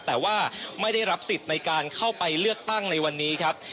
แต่ว่าไม่ได้รับสิทธิ์ในการเข้าไปเลือกตั้งในวันนี้ครับ